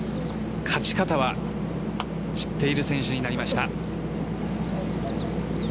勝ち方は知っている選手になりました。